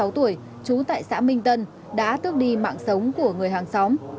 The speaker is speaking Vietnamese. ba mươi sáu tuổi trú tại xã minh tân đã tước đi mạng sống của người hàng xóm